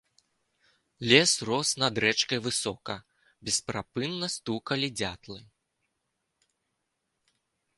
Лес рос над рэчкай высока, бесперапынна стукалі дзятлы.